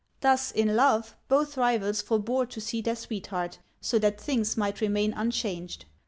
Thus in love both rivals for bore to see their sweetheart, so that things might remain unchanged.